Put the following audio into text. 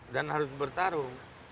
dan harus bertarung